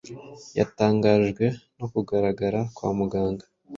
Yatangajwe no kugaragara kwa muganga